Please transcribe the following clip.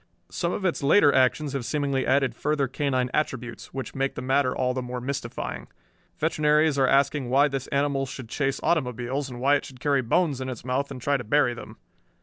Some of its later actions have seemingly added further canine attributes, which make the matter all the more mystifying. Veterinaries are asking why this animal should chase automobiles, and why it should carry bones in its mouth and try to bury them!